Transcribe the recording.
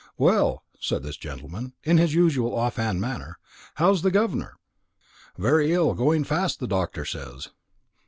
"Well," said this gentleman, in his usual off hand manner, "how's the governor?" "Very ill; going fast, the doctor says."